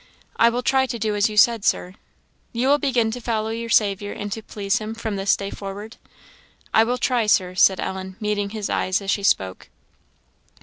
"I will try to do as you said, Sir." "You will begin to follow your Saviour, and to please him, from this day forward?" "I will try, Sir," said Ellen, meeting his eyes as she spoke.